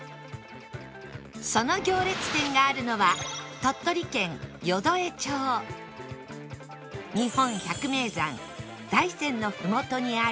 その行列店があるのは日本百名山大山のふもとにあり